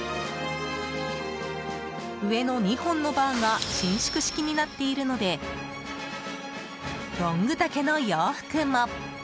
上の２本のバーが伸縮式になっているのでロング丈の洋服も。